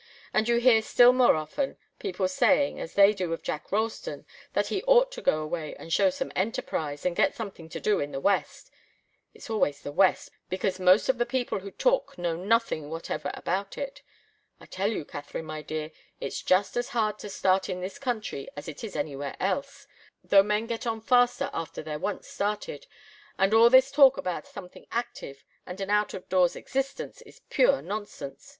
And you hear, still more often, people saying, as they do of Jack Ralston, that he ought to go away, and show some enterprise, and get something to do in the West. It's always the West, because most of the people who talk know nothing whatever about it. I tell you, Katharine, my dear, it's just as hard to start in this country as it is anywhere else, though men get on faster after they're once started and all this talk about something active and an out of door existence is pure nonsense.